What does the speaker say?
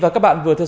vâng lần đầu tiên